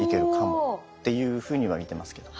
おっ！っていうふうには見てますけど。